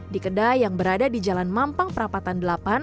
di kedai yang berada di jalan mampang perapatan delapan